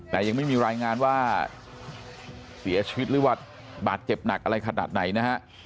แต่ยังไม่มีรายงานว่าเสียชีวิตหรือว่าบาดเจ็บหนักอะไรขนาดไหนนะฮะ